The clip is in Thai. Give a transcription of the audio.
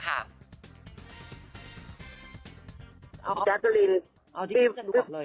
โอเคลูก